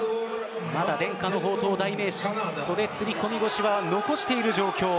まだ伝家の宝刀代名詞、袖釣り込み腰は残している状況。